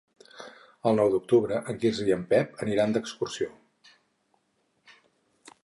El nou d'octubre en Quirze i en Pep aniran d'excursió.